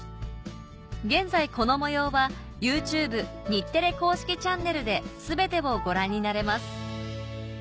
現在この模様はＹｏｕＴｕｂｅ日テレ公式チャンネルで全てをご覧になれます